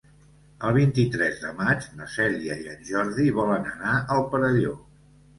El vint-i-tres de maig na Cèlia i en Jordi volen anar al Perelló.